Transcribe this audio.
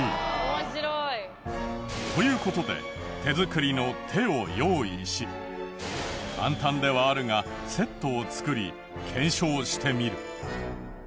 面白い。という事で手作りの手を用意し簡単ではあるがセットを作り検証してみる。